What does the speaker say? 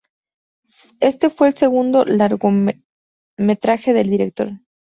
Este fue el segundo largometraje del director.